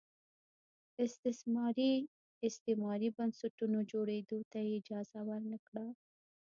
د استثماري استعماري بنسټونو جوړېدو ته یې اجازه ور نه کړه.